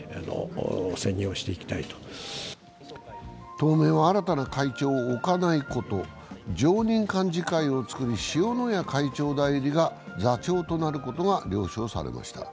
当面は新たな会長を置かないこと、常任幹事会を作り塩谷会長代理が座長となることが了承されました。